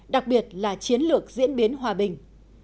đặc biệt là chiến lược diễn biến hòa bình